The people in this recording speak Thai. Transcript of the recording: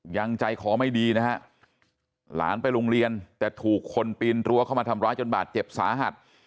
ยังใจคอไม่ดีนะฮะหลานไปโรงเรียนแต่ถูกคนปีนรั้วเข้ามาทำร้ายจนบาดเจ็บสาหัส